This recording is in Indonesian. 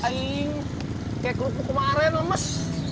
kayak kerupuk kemarin lemes